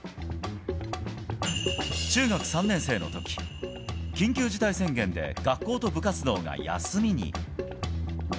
中学３年生の時、緊急事態宣言で学校と部活動が休みに。